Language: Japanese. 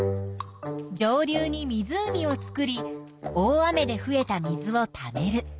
上流に湖を作り大雨で増えた水をためる。